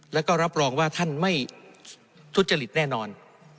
แล้วก็รับรองว่าท่านไม่ทุจริตแน่นอน